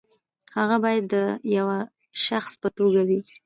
هغه باید د یوه شخص په توګه وي.